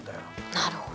なるほど。